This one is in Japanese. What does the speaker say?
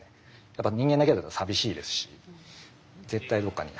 やっぱ人間だけだと寂しいですし絶対どっかに。